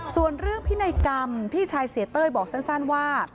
ส่วนเรื่องพินัยกรรมพี่ชายเสียเต้ยบอกสั้นว่า